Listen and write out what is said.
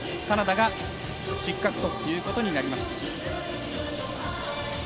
カナダが失格ということになります。